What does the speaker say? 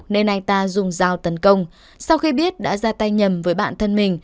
nên anh ta dùng dao tấn công sau khi biết đã ra tay nhầm với bản thân mình